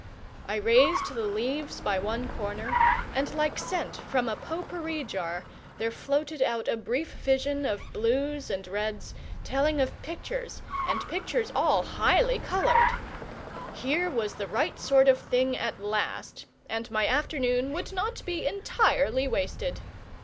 I raised the leaves by one corner, and like scent from a pot pourri jar there floated out a brief vision of blues and reds, telling of pictures, and pictures all highly coloured! Here was the right sort of thing at last, and my afternoon would not be entirely wasted.